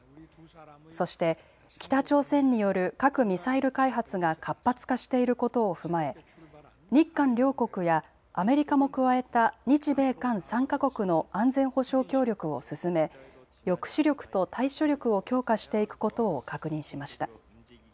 そして北朝鮮による核・ミサイル開発が活発化していることを踏まえ日韓両国やアメリカも加えた日米韓３か国の安全保障協力を進め、抑止力と対処力を強化していくことを確認しました。